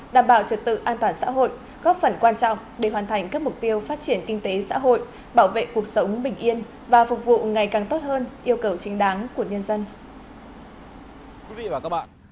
đảm bảo trật tự an toàn xã hội góp phần quan trọng để hoàn thành các mục tiêu phát triển kinh tế xã hội bảo vệ cuộc sống bình yên và phục vụ ngày càng tốt hơn yêu cầu chính đáng của nhân dân